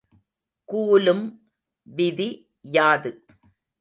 Coulomb விதி யாது?